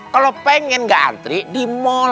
mereka ingin gak antri di mall